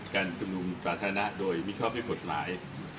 การจุมนุมประทานะโดยมิชชอบให้ปฏิบัติหมาย